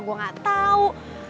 gue gak tahu